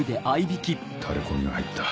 タレコミが入った。